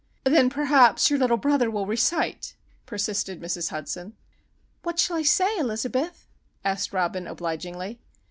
"Then perhaps your little brother will recite?" persisted Mrs. Hudson. "What shall I say, Elizabeth?" asked Robin, obligingly.